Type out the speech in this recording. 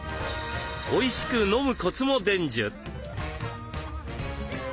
おいしく飲むコツも伝授。